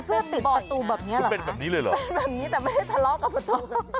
เป็นประตูแบบนี้หรอเป็นแบบนี้แต่ไม่ได้ทะเลาะกับประตู